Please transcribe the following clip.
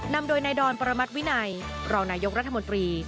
นำโดยนายดอนประมัติวินัยรองนายกรัฐมนตรี